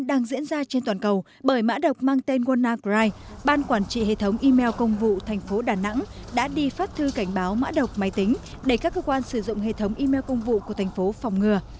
đang diễn ra trên toàn cầu bởi mã độc mang tên gonacride ban quản trị hệ thống email công vụ thành phố đà nẵng đã đi phát thư cảnh báo mã độc máy tính để các cơ quan sử dụng hệ thống emai công vụ của thành phố phòng ngừa